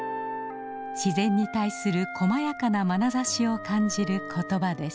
自然に対するこまやかなまなざしを感じることばです。